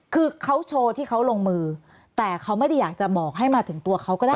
คือเขาโชว์ที่เขาลงมือแต่เขาไม่ได้อยากจะบอกให้มาถึงตัวเขาก็ได้